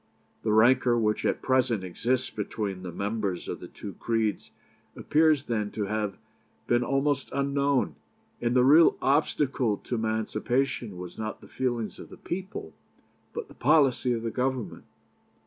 The rancour which at present exists between the members of the two creeds appears then to have been almost unknown, and the real obstacle to emancipation was not the feelings of the people, but the policy of the Government.